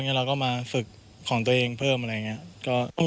เราก็มาฝึกของตัวเองเพิ่มอะไรอย่างนี้